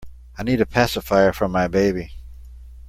I need a pacifier for my baby.